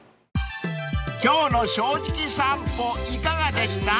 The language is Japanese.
［今日の『正直さんぽ』いかがでした？］